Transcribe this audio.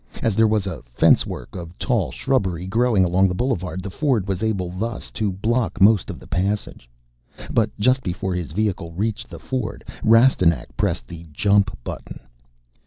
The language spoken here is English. As there was a fencework of tall shrubbery growing along the boulevard, the Ford was thus able to block most of the passage. But, just before his vehicle reached the Ford, Rastignac pressed the Jump button.